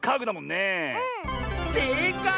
せいかい。